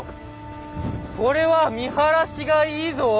これは見晴らしがいいぞ！